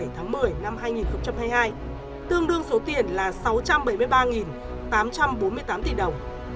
từ ngày một mươi bảy tháng một mươi năm hai nghìn hai mươi hai tương đương số tiền là sáu trăm bảy mươi ba tám trăm bốn mươi tám tỷ đồng